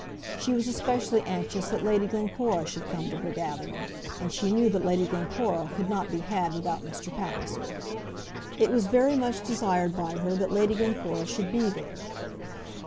She was especially anxious that Lady Glencora should come to her gathering, and she knew that Lady Glencora could not be had without Mr. Palliser. It was very much desired by her that Lady Glencora should be there.